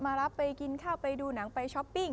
รับไปกินข้าวไปดูหนังไปช้อปปิ้ง